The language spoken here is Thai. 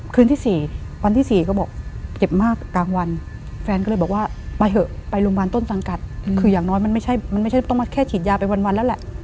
คืนที่๔วันที่๔ก็บอกเก็บมากกลางวันแฟนก็เลยบอกว่าไปเถอะไปโรงพยาบาลต้นสังกัดคืออย่างน้อยมันไม่ใช่มันไม่ใช่ต้องมาแค่ฉีดยาไปวันแล้วแหละ